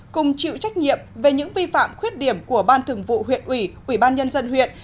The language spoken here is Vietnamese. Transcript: cùng chịu trách nhiệm về những vi phạm khuyết điểm của ban thường vụ huyện ủy ubnd huyện